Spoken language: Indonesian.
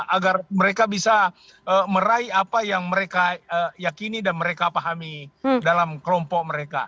agar mereka bisa meraih apa yang mereka yakini dan mereka pahami dalam kelompok mereka